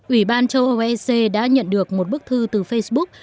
ủy ban châu âu ec đã nhận được một bức thư từ facebook